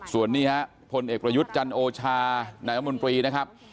ส่วนนี้ฮะพลเอกประยุทธ์จันโอชานายรัฐมนตรีนะครับ